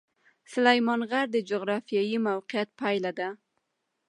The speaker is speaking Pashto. سلیمان غر د جغرافیایي موقیعت پایله ده.